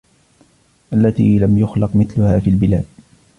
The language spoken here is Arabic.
الَّتِي لَمْ يُخْلَقْ مِثْلُهَا فِي الْبِلَادِ